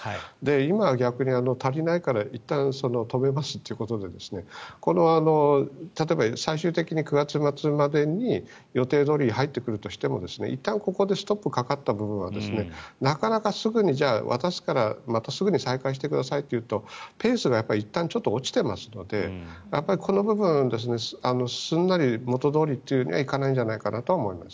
今、逆に足りないからいったん止めますということで例えば、最終的に９月末までに予定どおりに入ってくるとしてもいったんここでストップかかった分はなかなかすぐに渡すからじゃあすぐに再開してくださいというとペースがいったん落ちてますのでこの部分、すんなり元どおりにはいかないんじゃないかなと思います。